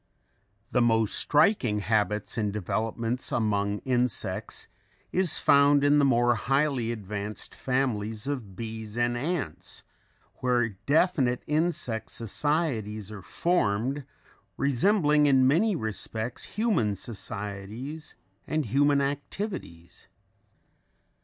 The most striking habits and developments among insects is found in the more highly advanced families of bees and ants where definite insect societies are formed, resembling in many respects human societies and human activities.